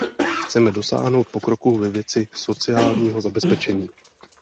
Chceme dosáhnout pokroku ve věci sociálního zabezpečení.